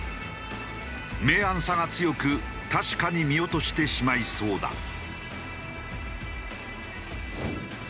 明暗差が強く確かに見落としてしまいそうだ。